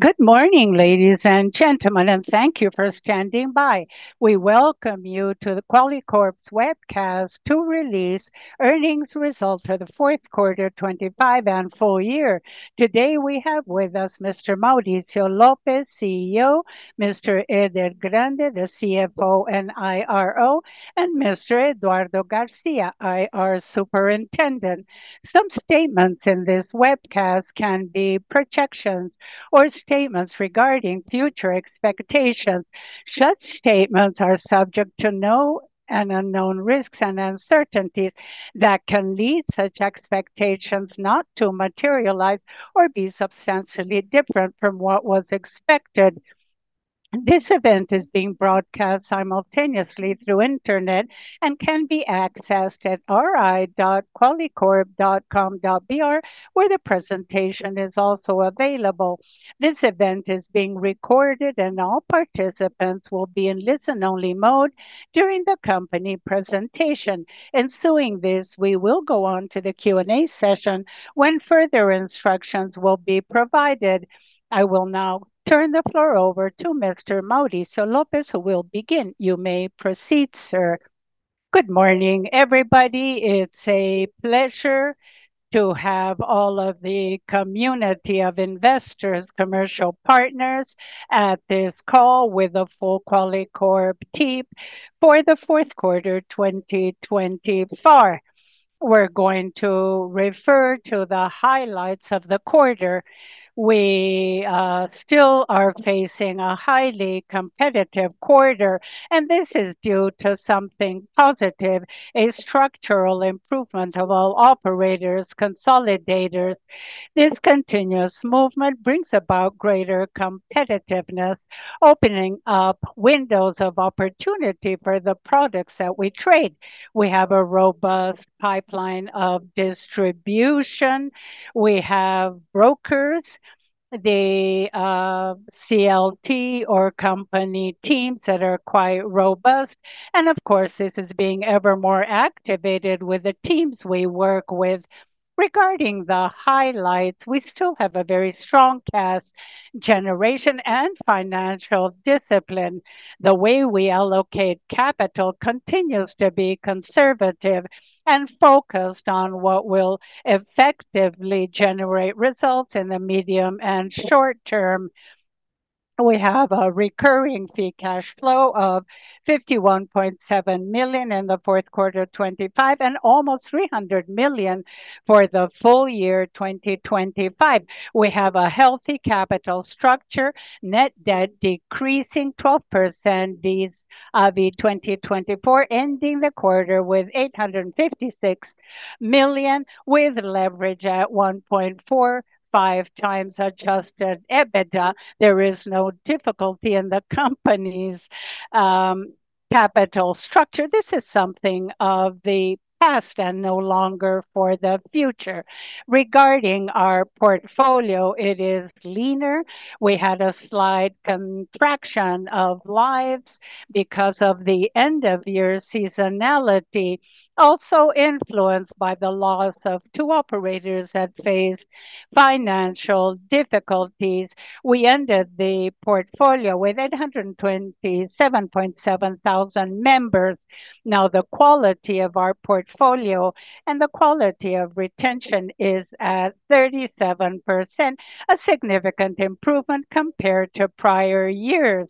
Good morning, ladies and gentlemen, and thank you for standing by. We welcome you to the Qualicorp webcast to release earnings results for the fourth quarter, 2025 and full year. Today, we have with us Mr. Mauricio Lopes, CEO, Mr. Eder Grande, the CFO and IRO, and Mr. Eduardo Garcia, IR Superintendent. Some statements in this webcast can be projections or statements regarding future expectations. Such statements are subject to known and unknown risks and uncertainties that can lead such expectations not to materialize or be substantially different from what was expected. This event is being broadcast simultaneously through internet and can be accessed at ri.qualicorp.com.br, where the presentation is also available. This event is being recorded, and all participants will be in listen-only mode during the company presentation. Ensuing this, we will go on to the Q&A session, when further instructions will be provided. I will now turn the floor over to Mr. Mauricio Lopes, who will begin. You may proceed, sir. Good morning, everybody. It's a pleasure to have all of the community of investors, commercial partners at this call with the full Qualicorp team for the fourth quarter, 2024. We're going to refer to the highlights of the quarter. We still are facing a highly competitive quarter. This is due to something positive, a structural improvement of all operators, consolidators. This continuous movement brings about greater competitiveness, opening up windows of opportunity for the products that we trade. We have a robust pipeline of distribution. We have brokers, the CLT or company teams that are quite robust. Of course, this is being ever more activated with the teams we work with. Regarding the highlights, we still have a very strong cash generation and financial discipline. The way we allocate capital continues to be conservative and focused on what will effectively generate results in the medium and short term. We have a recurring free cash flow of 51.7 million in the fourth quarter 2025 and almost 300 million for the full year 2025. We have a healthy capital structure, net debt decreasing 12% vis-à-vis 2024, ending the quarter with 856 million, with leverage at 1.45x adjusted EBITDA. There is no difficulty in the company's capital structure. This is something of the past and no longer for the future. Regarding our portfolio, it is leaner. We had a slight contraction of lives because of the end-of-year seasonality, also influenced by the loss of two operators that faced financial difficulties. We ended the portfolio with 827,700 members. The quality of our portfolio and the quality of retention is at 37%, a significant improvement compared to prior years.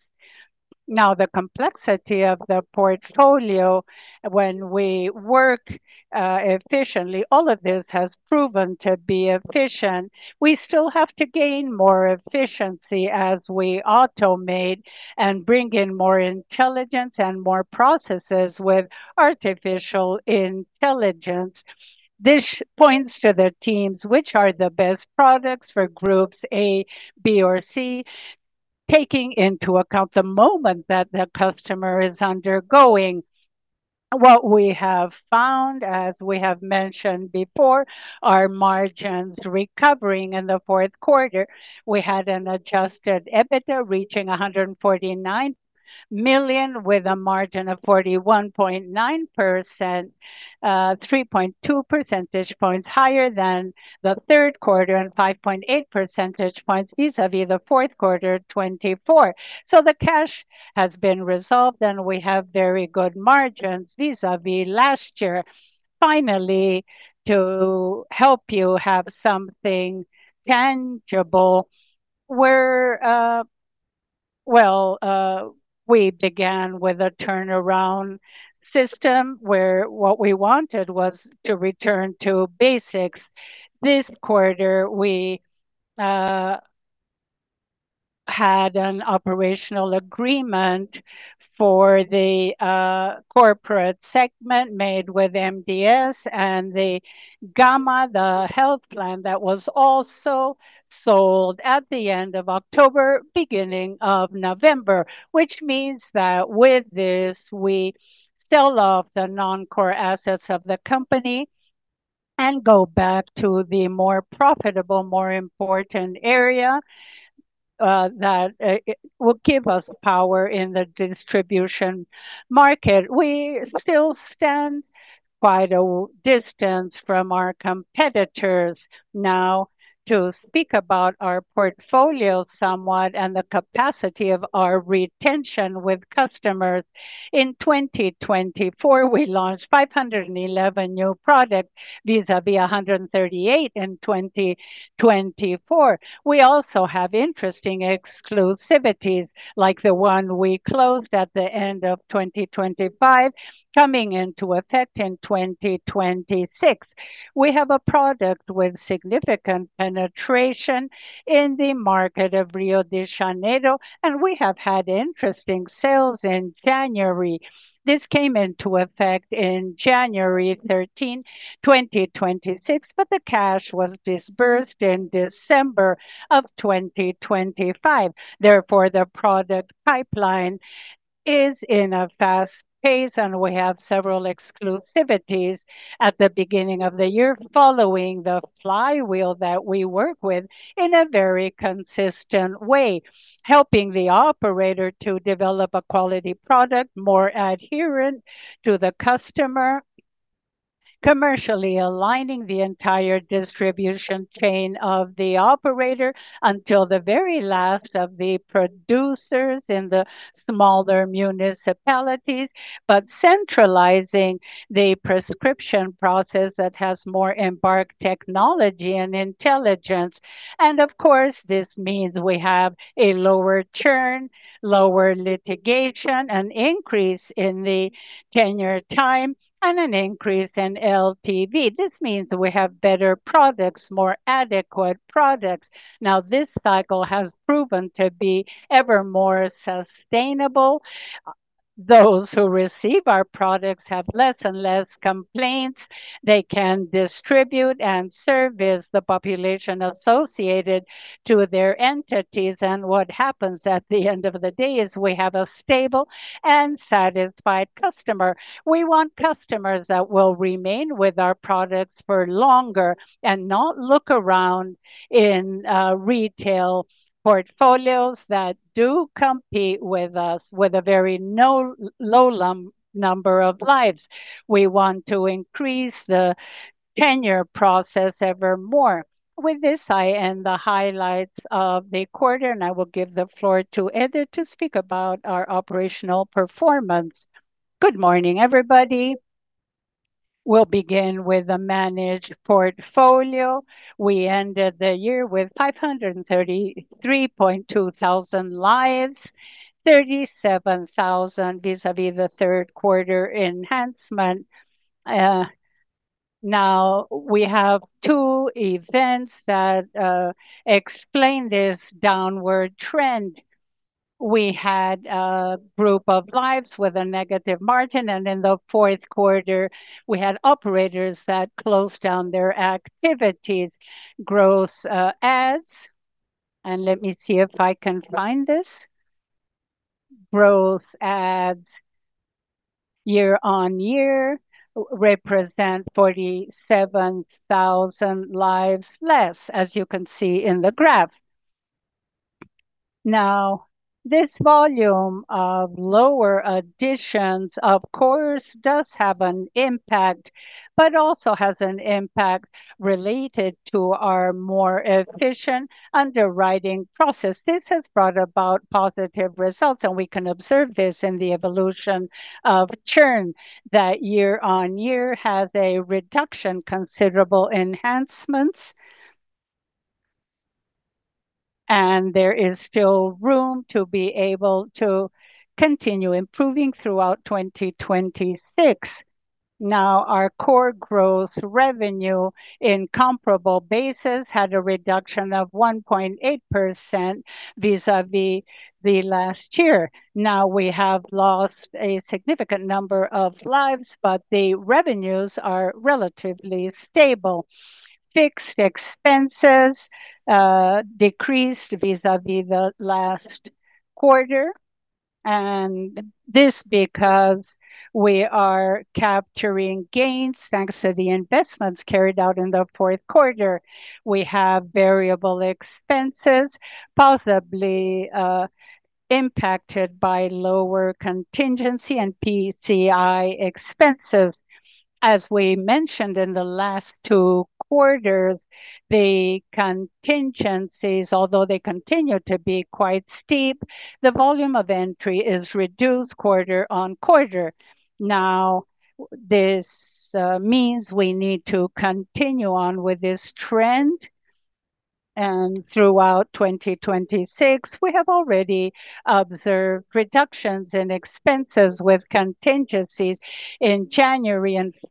The complexity of the portfolio when we work efficiently, all of this has proven to be efficient. We still have to gain more efficiency as we automate and bring in more intelligence and more processes with artificial intelligence. This points to the teams, which are the best products for groups A, B, or C, taking into account the moment that the customer is undergoing. What we have found, as we have mentioned before, our margin's recovering in the fourth quarter. We had an adjusted EBITDA reaching 149 million, with a margin of 41.9%, 3.2 percentage points higher than the third quarter, and 5.8 percentage points vis-a-vis the fourth quarter 2024. The cash has been resolved, and we have very good margins vis-a-vis last year. Finally, to help you have something tangible, we're Well, we began with a turnaround system, where what we wanted was to return to basics. This quarter, we had an operational agreement for the corporate segment made with MDS and the Gama, the health plan that was also sold at the end of October, beginning of November, which means that with this, we sell off the non-core assets of the company and go back to the more profitable, more important area, that will give us power in the distribution market. We still stand quite a distance from our competitors now. To speak about our portfolio somewhat and the capacity of our retention with customers. In 2024, we launched 511 new products, vis-à-vis 138 in 2024. We also have interesting exclusivities, like the one we closed at the end of 2025, coming into effect in 2026. We have a product with significant penetration in the market of Rio de Janeiro, and we have had interesting sales in January. This came into effect in January 13th, 2026, but the cash was disbursed in December of 2025. Therefore, the product pipeline is in a fast pace, and we have several exclusivities at the beginning of the year, following the flywheel that we work with in a very consistent way, helping the operator to develop a quality product more adherent to the customer, commercially aligning the entire distribution chain of the operator until the very last of the producers in the smaller municipalities, but centralizing the prescription process that has more embarked technology and intelligence. Of course, this means we have a lower churn, lower litigation, an increase in the tenure time, and an increase in LTV. This means we have better products, more adequate products. Now, this cycle has proven to be ever more sustainable. Those who receive our products have less and less complaints. They can distribute and service the population associated to their entities. What happens at the end of the day is we have a stable and satisfied customer. We want customers that will remain with our products for longer and not look around in retail portfolios that do compete with us with a very low number of lives. We want to increase the tenure process ever more. With this, I end the highlights of the quarter, and I will give the floor to Eder to speak about our operational performance. Good morning, everybody. We'll begin with the managed portfolio. We ended the year with 533.2 thousand lives, 37,000 vis-à-vis the third quarter enhancement. Now, we have two events that explain this downward trend. We had a group of lives with a negative margin, and in the fourth quarter, we had operators that closed down their activities. Gross adds, and let me see if I can find this. Growth adds year-on-year represent 47,000 lives less, as you can see in the graph. This volume of lower additions, of course, does have an impact, but also has an impact related to our more efficient underwriting process. This has brought about positive results, and we can observe this in the evolution of churn that year-on-year has a reduction, considerable enhancements, and there is still room to be able to continue improving throughout 2026. Our core growth revenue in comparable basis had a reduction of 1.8% vis-à-vis the last year. We have lost a significant number of lives, but the revenues are relatively stable. Fixed expenses decreased vis-à-vis the last quarter, and this because we are capturing gains thanks to the investments carried out in the fourth quarter. We have variable expenses, possibly impacted by lower contingency and PCI expenses. As we mentioned in the last two quarters, the contingencies, although they continue to be quite steep, the volume of entry is reduced quarter on quarter. Now, this means we need to continue on with this trend, and throughout 2026, we have already observed reductions in expenses with contingencies. In January and February,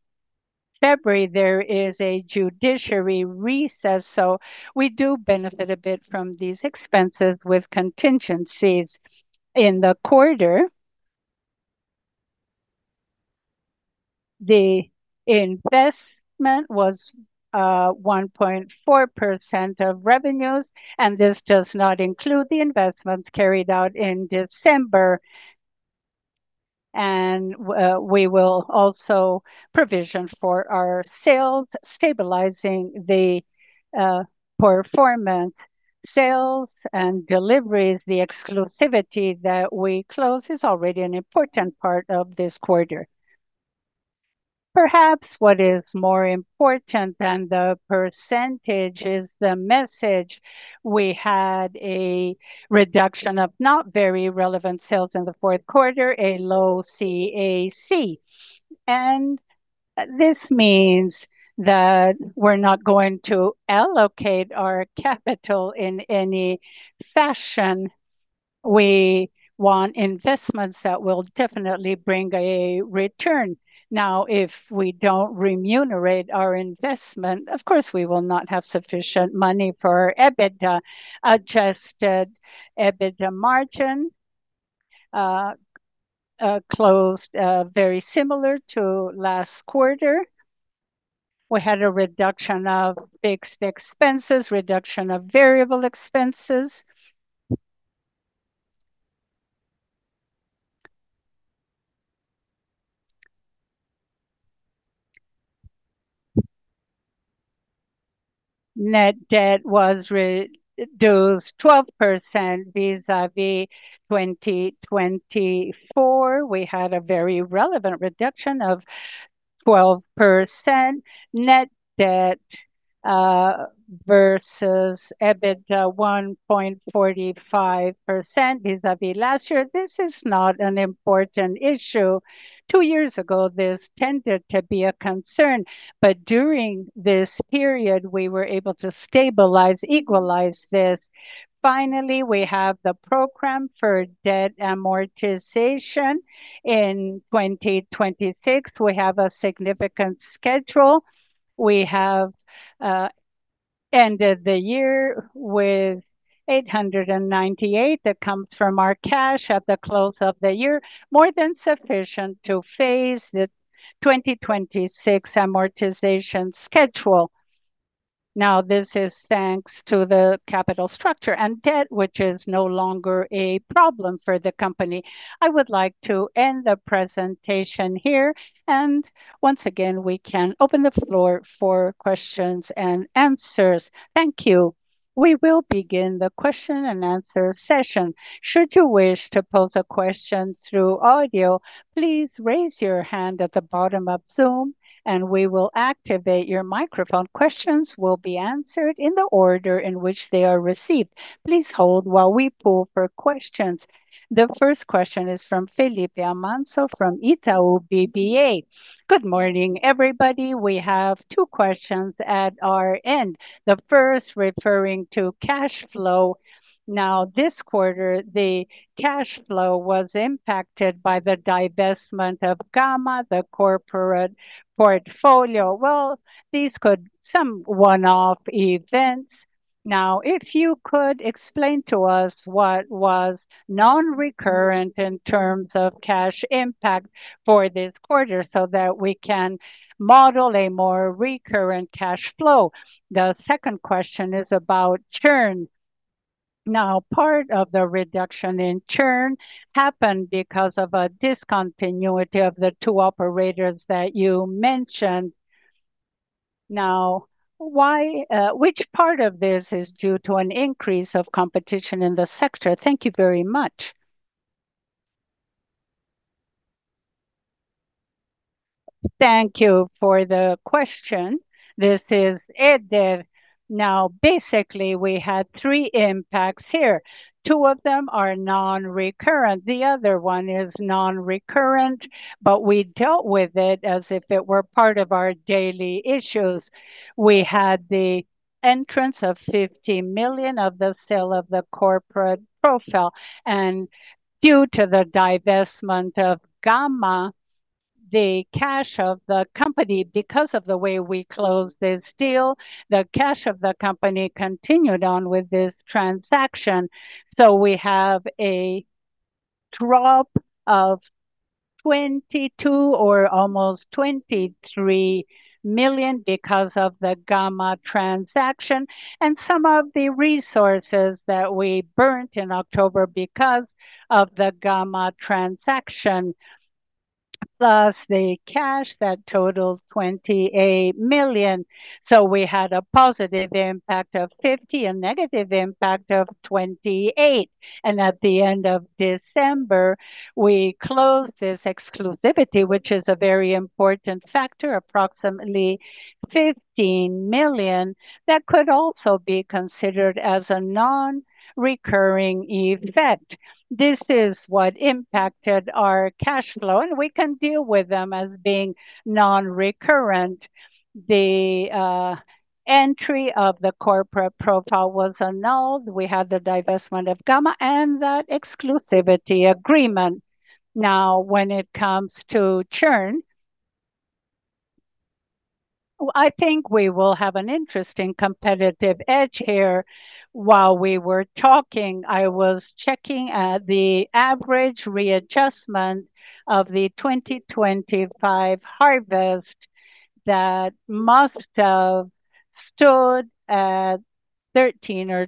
there is a judiciary recess, so we do benefit a bit from these expenses with contingencies. In the quarter, the investment was 1.4% of revenues, and this does not include the investments carried out in December. We will also provision for our sales, stabilizing the performance. Sales and deliveries, the exclusivity that we close, is already an important part of this quarter. Perhaps what is more important than the percentage is the message. We had a reduction of not very relevant sales in the fourth quarter, a low CAC. This means that we're not going to allocate our capital in any fashion. We want investments that will definitely bring a return. If we don't remunerate our investment, of course, we will not have sufficient money for EBITDA. Adjusted EBITDA margin closed very similar to last quarter. We had a reduction of fixed expenses, reduction of variable expenses. Net debt was reduced 12% vis-à-vis 2024. We had a very relevant reduction of 12% net debt versus EBITDA 1.45% vis-à-vis last year. This is not an important issue. Two years ago, this tended to be a concern, but during this period, we were able to stabilize, equalize this. Finally, we have the program for debt amortization. In 2026, we have a significant schedule. We have ended the year with 898 that comes from our cash at the close of the year, more than sufficient to phase the 2026 amortization schedule. This is thanks to the capital structure and debt, which is no longer a problem for the company. I would like to end the presentation here, and once again, we can open the floor for questions and answers. Thank you. We will begin the question-and-answer session. Should you wish to pose a question through audio, please raise your hand at the bottom of Zoom, and we will activate your microphone. Questions will be answered in the order in which they are received. Please hold while we poll for questions. The first question is from Felipe Amancio, from Itaú BBA. Good morning, everybody. We have two questions at our end. The first referring to cash flow. This quarter, the cash flow was impacted by the divestment of Gama, the corporate portfolio. Well, these could some one-off events. If you could explain to us what was non-recurrent in terms of cash impact for this quarter, so that we can model a more recurrent cash flow. The second question is about churn. Part of the reduction in churn happened because of a discontinuity of the two operators that you mentioned. Why, which part of this is due to an increase of competition in the sector? Thank you very much. Thank you for the question. This is Eder. Basically, we had three impacts here. Two of them are non-recurrent, the other one is non-recurrent, but we dealt with it as if it were part of our daily issues. We had the entrance of 50 million of the sale of the corporate profile, due to the divestment of Gama, the cash of the company, because of the way we closed this deal, the cash of the company continued on with this transaction. We have a drop of 22 or almost 23 million because of the Gama transaction, and some of the resources that we burnt in October because of the Gama transaction, plus the cash that totals 28 million. We had a positive impact of 50 million and negative impact of 28 million. At the end of December, we closed this exclusivity, which is a very important factor, approximately 15 million, that could also be considered as a non-recurring event. This is what impacted our cash flow, and we can deal with them as being non-recurrent. The entry of the corporate profile was annulled. We had the divestment of Gama and that exclusivity agreement. When it comes to churn, I think we will have an interesting competitive edge here. While we were talking, I was checking at the average readjustment of the 2025 harvest that must have stood at 13% or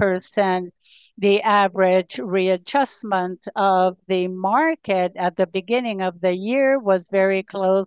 12%. The average readjustment of the market at the beginning of the year was very close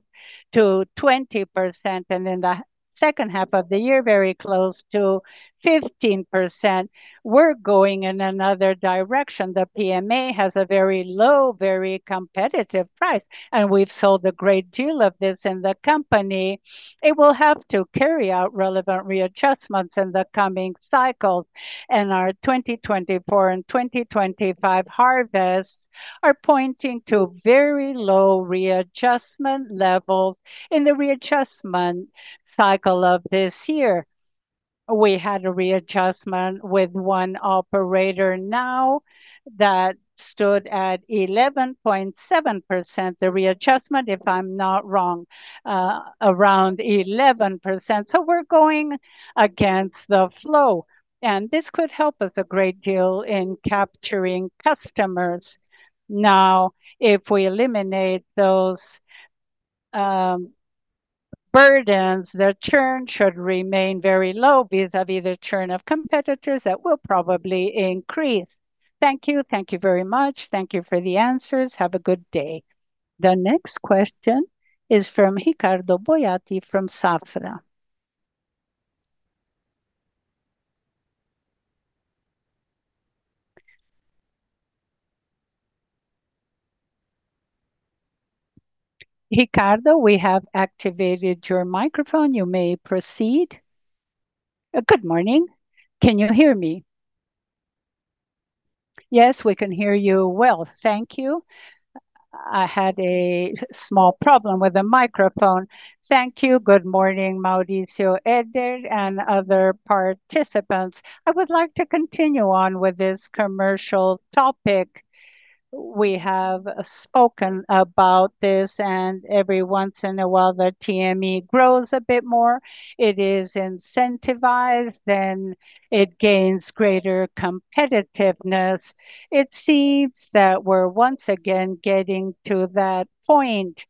to 20%, second half of the year, very close to 15%. We're going in another direction. The PME has a very low, very competitive price, and we've sold a great deal of this, and the company, it will have to carry out relevant readjustments in the coming cycles. Our 2024 and 2025 harvests are pointing to very low readjustment levels. In the readjustment cycle of this year, we had a readjustment with one operator now that stood at 11.7%, the readjustment, if I'm not wrong, around 11%. We're going against the flow, and this could help us a great deal in capturing customers. If we eliminate those burdens, the churn should remain very low vis-a-vis the churn of competitors that will probably increase. Thank you. Thank you very much. Thank you for the answers. Have a good day. The next question is from Ricardo Boiati, from Safra. Ricardo, we have activated your microphone. You may proceed. Good morning. Can you hear me? Yes, we can hear you well. Thank you. I had a small problem with the microphone. Thank you. Good morning Mauricio, Eder, and other participants. I would like to continue on with this commercial topic. We have spoken about this, every once in a while, the PME grows a bit more. It is incentivized, it gains greater competitiveness. It seems that we're once again getting to that point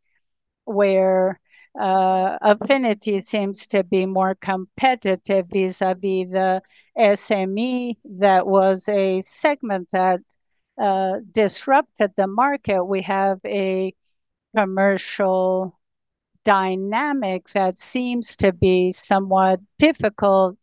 where Affinity seems to be more competitive vis-a-vis the SME. That was a segment that disrupted the market. We have a commercial dynamic that seems to be somewhat difficult.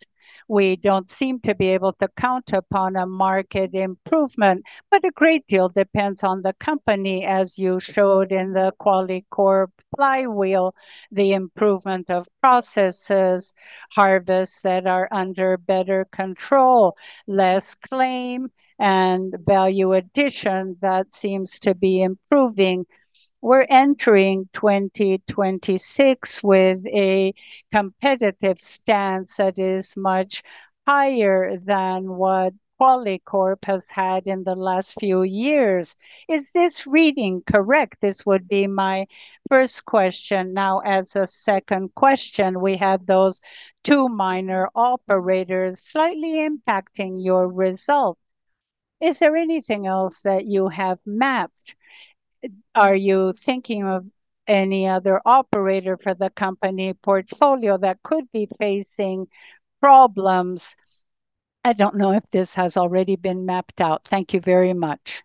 We don't seem to be able to count upon a market improvement, a great deal depends on the company, as you showed in the Qualicorp flywheel, the improvement of processes, harvests that are under better control, less claim, and value addition that seems to be improving. We're entering 2026 with a competitive stance that is much higher than what Qualicorp has had in the last few years. Is this reading correct? This would be my first question. As a second question, we had those two minor operators slightly impacting your results. Is there anything else that you have mapped? Are you thinking of any other operator for the company portfolio that could be facing problems? I don't know if this has already been mapped out. Thank you very much.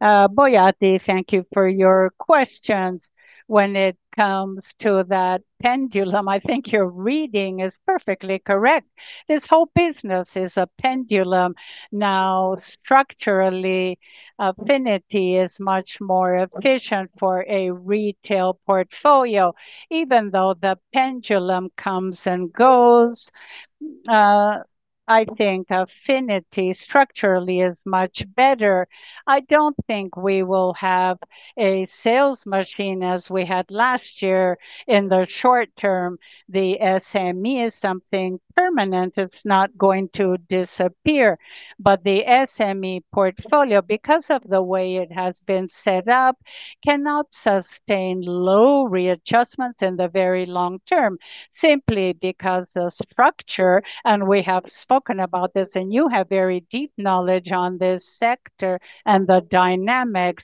Boiati, thank you for your questions. When it comes to that pendulum, I think your reading is perfectly correct. This whole business is a pendulum. Structurally, Affinity is much more efficient for a retail portfolio. Even though the pendulum comes and goes, I think Affinity structurally is much better. I don't think we will have a sales machine as we had last year. In the short term, the SME is something permanent. It's not going to disappear. The SME portfolio, because of the way it has been set up, cannot sustain low readjustments in the very long term, simply because the structure, and we have spoken about this, and you have very deep knowledge on this sector and the dynamics.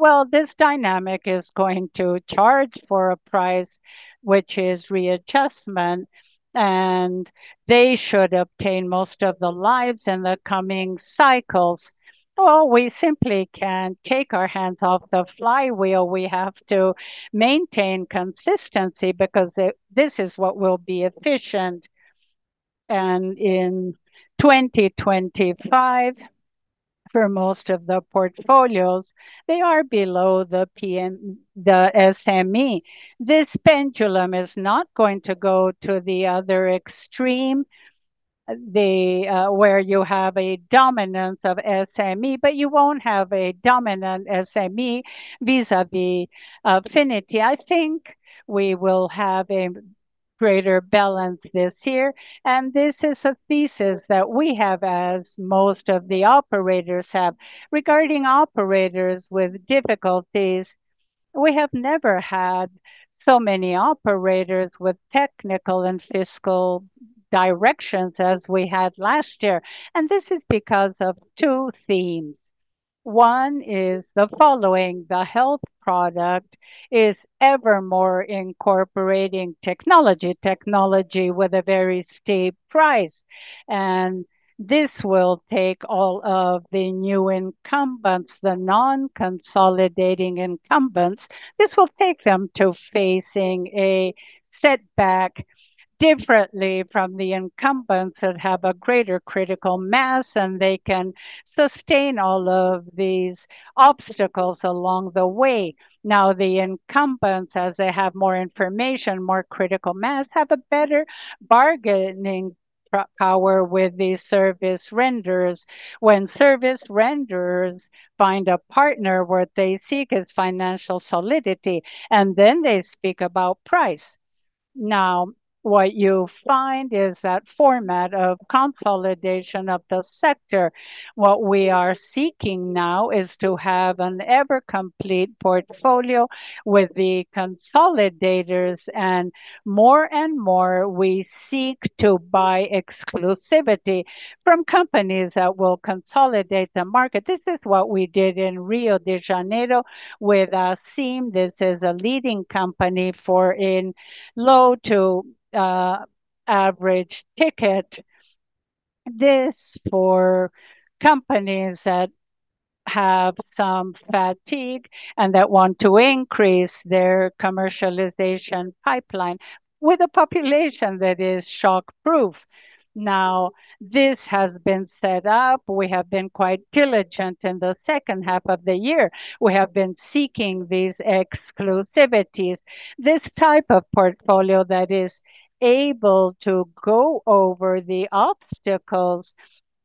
Well, this dynamic is going to charge for a price, which is readjustment, and they should obtain most of the lives in the coming cycles. Well, we simply can't take our hands off the flywheel. We have to maintain consistency because this is what will be efficient. And in 2025, for most of the portfolios, they are below the SME. This pendulum is not going to go to the other extreme, where you have a dominance of SME, but you won't have a dominant SME vis-a-vis Affinity. I think we will have a greater balance this year, and this is a thesis that we have as most of the operators have. Regarding operators with difficulties, we have never had so many operators with technical and fiscal directions as we had last year, and this is because of two themes. One is the following: The health product is ever more incorporating technology with a very steep price, and this will take all of the new incumbents, the non-consolidating incumbents, this will take them to facing a setback. Differently from the incumbents that have a greater critical mass, and they can sustain all of these obstacles along the way. Now, the incumbents, as they have more information, more critical mass, have a better bargaining power with the service renderers. When service renderers find a partner, what they seek is financial solidity, and then they speak about price. What you find is that format of consolidation of the sector. What we are seeking now is to have an ever-complete portfolio with the consolidators, and more and more, we seek to buy exclusivity from companies that will consolidate the market. This is what we did in Rio de Janeiro with SIM. This is a leading company for in low to average ticket. This, for companies that have some fatigue and that want to increase their commercialization pipeline with a population that is shock-proof. This has been set up. We have been quite diligent in the second half of the year. We have been seeking these exclusivities, this type of portfolio that is able to go over the obstacles.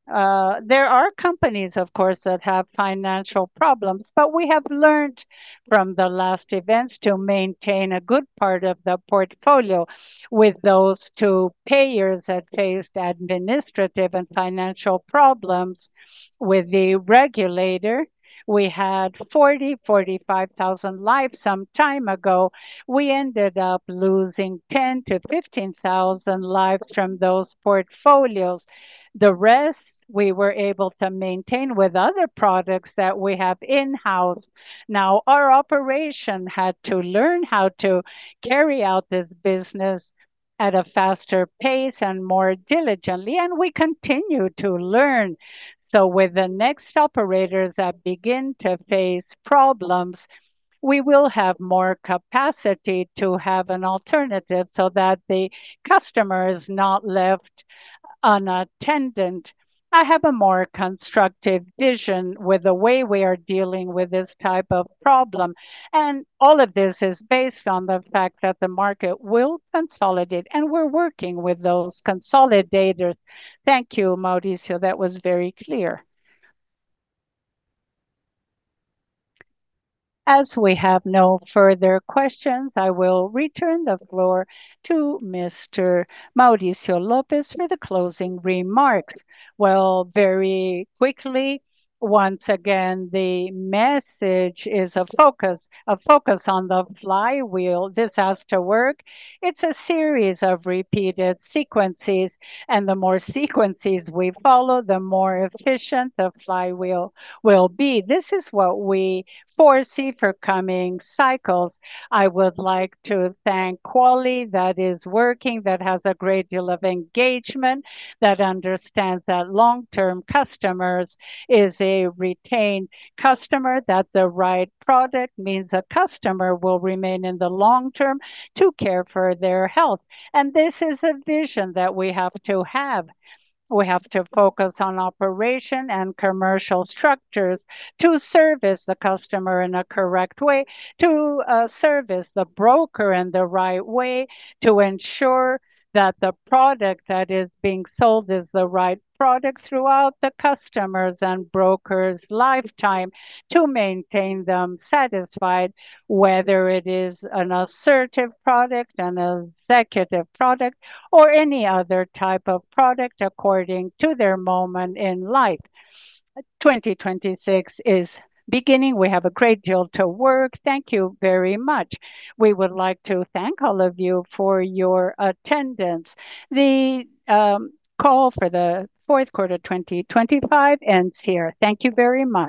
There are companies, of course, that have financial problems. We have learned from the last events to maintain a good part of the portfolio with those two payers that faced administrative and financial problems with the regulator. We had 40,000-45,000 lives some time ago. We ended up losing 10,000-15,000 lives from those portfolios. The rest, we were able to maintain with other products that we have in-house. Now, our operation had to learn how to carry out this business at a faster pace and more diligently, and we continue to learn. With the next operators that begin to face problems, we will have more capacity to have an alternative so that the customer is not left unattended. I have a more constructive vision with the way we are dealing with this type of problem, and all of this is based on the fact that the market will consolidate, and we're working with those consolidators. Thank you, Mauricio. That was very clear. As we have no further questions, I will return the floor to Mr. Mauricio Lopes for the closing remarks. Well, very quickly, once again, the message is a focus, a focus on the flywheel. This has to work. It's a series of repeated sequences, and the more sequences we follow, the more efficient the flywheel will be. This is what we foresee for coming cycles. I would like to thank Qualicorp that is working, that has a great deal of engagement, that understands that long-term customers is a retained customer, that the right product means a customer will remain in the long term to care for their health. This is a vision that we have to have. We have to focus on operation and commercial structures to service the customer in a correct way, to service the broker in the right way, to ensure that the product that is being sold is the right product throughout the customer's and broker's lifetime, to maintain them satisfied, whether it is an assertive product, an executive product, or any other type of product according to their moment in life. 2026 is beginning. We have a great deal to work. Thank you very much. We would like to thank all of you for your attendance. The call for the fourth quarter 2025 ends here. Thank you very much.